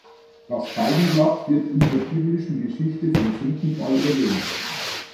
Das Feigenblatt wird in der biblischen Geschichte vom Sündenfall erwähnt.